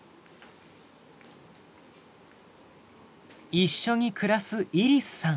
一緒に暮らすイリスさん。